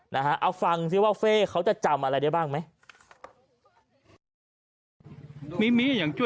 นะฮะเอาฟังซิว่าเฟ่เขาจะจำอะไรได้บ้างไหม